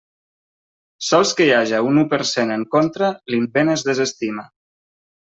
Sols que hi haja un u per cent en contra, l'invent es desestima.